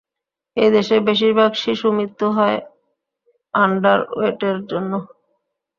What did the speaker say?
এই দেশে বেশির ভাগ শিশুমৃত্যু হয় আন্ডারওয়েটের জন্য।